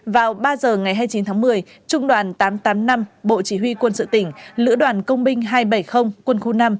vào ba giờ ngày hai mươi chín tháng một mươi trung đoàn tám trăm tám mươi năm bộ chỉ huy quân sự tỉnh lữ đoàn công binh hai trăm bảy mươi quân khu năm